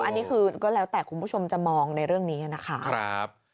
อันนี้คือก็แล้วแต่คุณผู้ชมจะมองในเรื่องนี้นะคะ